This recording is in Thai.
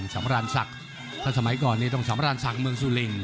สำราญศักดิ์ถ้าสมัยก่อนนี่ต้องสำราญศักดิ์เมืองสุริน